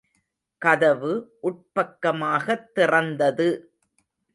கதவு உட்பக்கமாகத் திறந்தது.